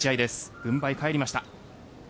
軍配、返りました。